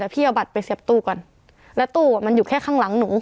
พี่เอาบัตรไปเสียบตู้ก่อนแล้วตู้มันอยู่แค่ข้างหลังหนู